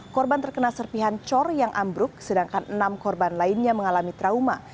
korban terkena serpihan cor yang ambruk sedangkan enam korban lainnya mengalami trauma